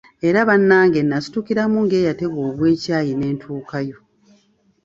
Era bannange nasitukiramu ng'eyatega ogw'ekyayi ne ntuukayo.